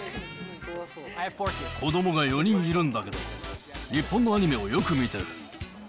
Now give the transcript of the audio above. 子どもが４人いるんだけど、日本のアニメをよく観てる。